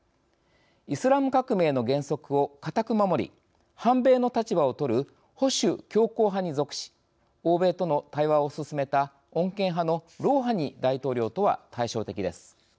イスラム革命の原則を固く守り反米の立場をとる保守強硬派に属し欧米との対話を進めた穏健派のロウハニ大統領とは対照的です。